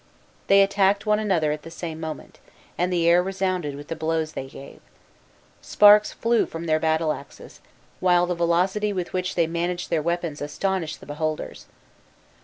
They attacked one another at the same moment, and the air resounded with the blows they gave. Sparks flew from their battle axes, while the velocity with which they managed their weapons astonished the beholders.